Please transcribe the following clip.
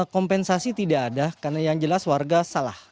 kompensasi tidak ada karena yang jelas warga salah